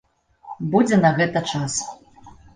Будзе на гэта час.